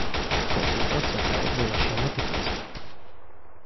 Konsultacja ta odbyła się natychmiast